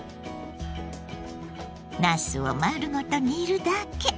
なすを丸ごと煮るだけ。